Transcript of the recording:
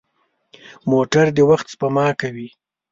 موټر د وخت سپما کوي.